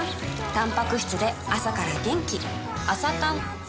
たんぱく質で朝から元気